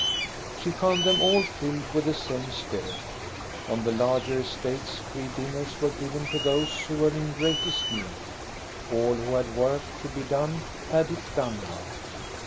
She found them all filled with the same spirit On the larger estates free dinners were given to those who were in greatest need. All who had work to be done had it done now.